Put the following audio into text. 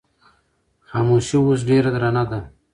خاموشي اوس ډېره درنه ده.